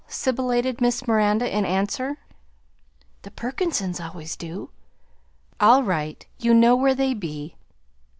sibilated Miss Miranda in answer. "The Perkinses always do." "All right. You know where they be."